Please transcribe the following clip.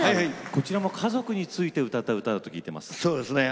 こちらも家族について歌った歌だと聞いています。